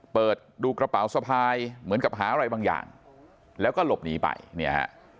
เปิดดูกระเป๋าซะพายเหมือนกับฮารัยบางอย่างแล้วก็หลบหนีไป